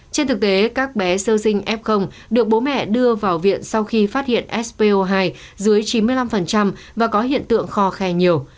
trên thực tế các bé sơ sinh f được bố mẹ đưa vào viện sau khi phát hiện spo hai dưới chín mươi năm và có hiện tượng kho khe nhiều